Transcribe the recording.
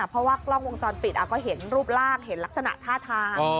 เพราะว่ากล้องวงจรปิดก็เห็นรูปร่างเห็นลักษณะท่าทาง